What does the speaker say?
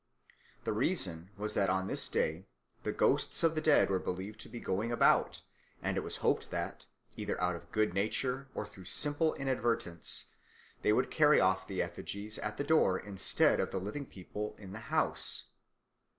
The reason was that on this day the ghosts of the dead were believed to be going about, and it was hoped that, either out of good nature or through simple inadvertence, they would carry off the effigies at the door instead of the living people in the house.